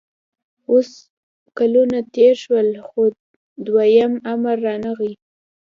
اوس کلونه تېر شول خو دویم امر رانغی